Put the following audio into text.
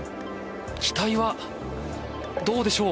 機体はどうでしょう？